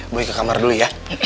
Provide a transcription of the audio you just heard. buah ikut ke kamar dulu ya